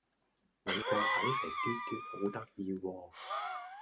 你個仔肥嘟嘟好得意喎